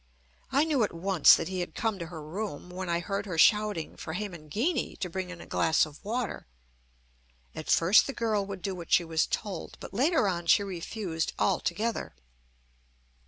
I knew at once that he had come to her room, when I heard her shouting for Hemangini to bring in a glass of water. At first the girl would do what she was told; but later on she refused altogether.